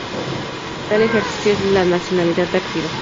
Tal ejercicio es el de la nacionalidad activa.